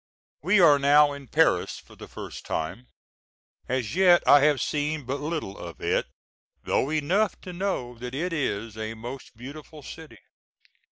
We are now in Paris for the first time. As yet I have seen but little of it, though enough to know that it is a most beautiful city.